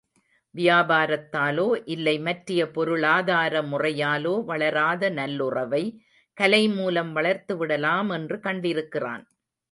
வியாபாரத்தாலோ, இல்லை மற்றைய பொருளாதார முறையாலோ வளராத நல்லுறவை, கலை மூலம் வளர்த்துவிடலாம் என்று கண்டிருக்கிறான்.